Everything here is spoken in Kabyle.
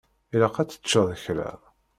Ilaq ad teččeḍ kra.